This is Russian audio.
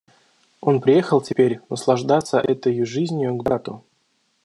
Он приехал теперь наслаждаться этою жизнию к брату.